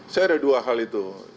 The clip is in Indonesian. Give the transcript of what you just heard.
saya ada dua hal itu